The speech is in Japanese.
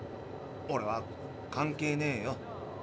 オレは関係ねえよ。